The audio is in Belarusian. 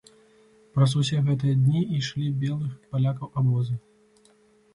Праз усе гэтыя дні ішлі белых палякаў абозы.